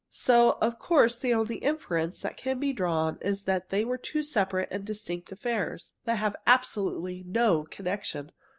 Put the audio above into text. So, of course, the only inference that can be drawn is that they were two separate and distinct affairs that have absolutely no connection.